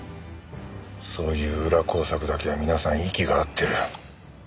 そういう裏工作だけは皆さん息が合ってる。